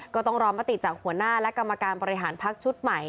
ก็ต้องรอมติจากหัวหน้าและกรรมการบริหารพักชุดใหม่